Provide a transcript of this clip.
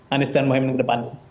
anies dan mohaimin ke depan